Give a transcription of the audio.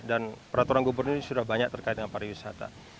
dan peraturan gubernur ini sudah banyak terkait dengan pariwisata